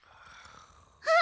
あっ！